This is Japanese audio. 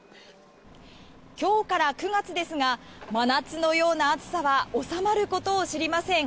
今日から９月ですが真夏のような暑さは収まることを知りません。